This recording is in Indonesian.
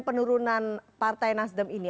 penurunan partai nasden ini